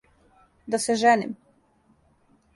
Да се женим?